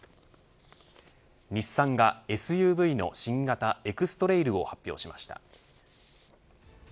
日産が、ＳＵＶの新型エクストレイルを発表しました。